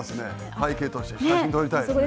背景として写真撮りたいですね。